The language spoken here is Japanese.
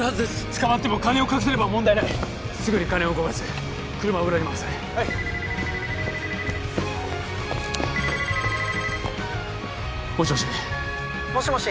捕まっても金を隠せれば問題ないすぐに金を動かす車を裏に回せはいもしもし？